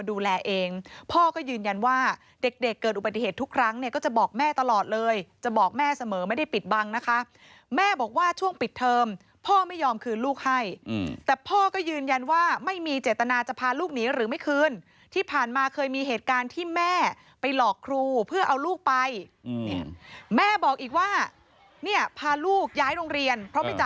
ดูแลเองพ่อก็ยืนยันว่าเด็กเด็กเกิดอุบัติเหตุทุกครั้งเนี่ยก็จะบอกแม่ตลอดเลยจะบอกแม่เสมอไม่ได้ปิดบังนะคะแม่บอกว่าช่วงปิดเทอมพ่อไม่ยอมคืนลูกให้แต่พ่อก็ยืนยันว่าไม่มีเจตนาจะพาลูกหนีหรือไม่คืนที่ผ่านมาเคยมีเหตุการณ์ที่แม่ไปหลอกครูเพื่อเอาลูกไปเนี่ยแม่บอกอีกว่าเนี่ยพาลูกย้ายโรงเรียนเพราะไม่จ